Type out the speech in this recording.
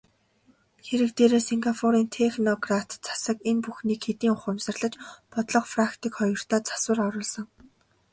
Хэрэг дээрээ Сингапурын технократ засаг энэ бүхнийг хэдийн ухамсарлаж бодлого, практик хоёртоо засвар оруулсан.